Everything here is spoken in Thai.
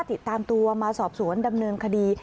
ติดตามตัวมาสอบสวนดำเนินคดี